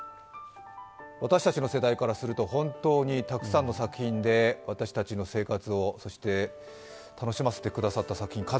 私たちの世代からすると本当にたくさんの作品で私たちの生活を楽しませてくださった作品